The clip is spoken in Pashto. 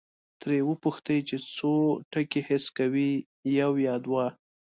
ترې وپوښتئ چې څو ټکي حس کوي، یو یا دوه؟